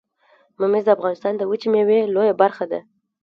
ممیز د افغانستان د وچې میوې لویه برخه ده